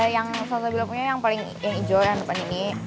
yang selalu bilang punya yang paling yang hijau yang depan ini